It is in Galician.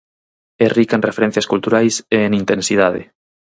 É rica en referencias culturais e en intensidade.